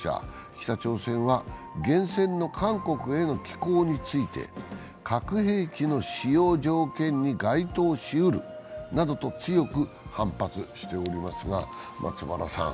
北朝鮮は原潜の韓国への上陸について核兵器の使用条件に該当しうるなどと強く反発しています。